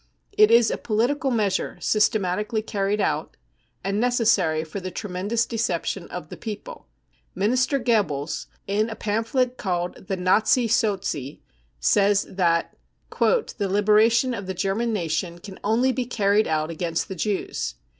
It is a political measure systematically carried out, and necessary for the tremendous deception of the people. Minister Goebbels, in a pamphlet called The JSfazi Sozi , says that " The liberation of the German nation can only be carried out against the Jews.